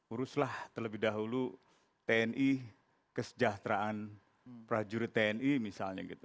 uruslah terlebih dahulu tni kesejahteraan prajurit tni misalnya gitu